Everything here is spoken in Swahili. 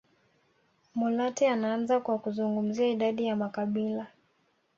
Mulatya anaanza kwa kuzungumzia idadi ya makabila